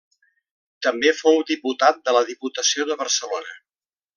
També fou diputat de la Diputació de Barcelona.